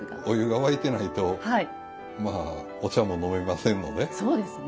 お湯が沸いてないとお茶も飲めませんので。